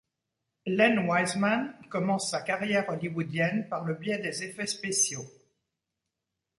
Len Wiseman commence sa carrière hollywoodienne par le biais des effets spéciaux.